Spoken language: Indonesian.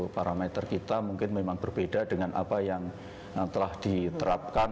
parameter kita mungkin memang berbeda dengan apa yang telah diterapkan